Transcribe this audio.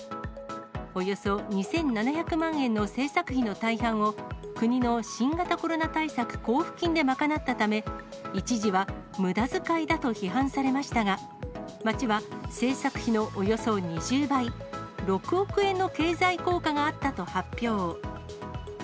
およそ２７００万円の制作費の大半を、国の新型コロナ対策交付金で賄ったため、一時はむだづかいだと批判されましたが、町は制作費のおよそ２０倍、６億円の経済効果があったと発表。